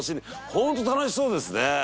ホント楽しそうですね！